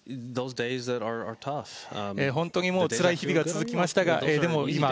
本当につらい日々が続きましたが、でも今、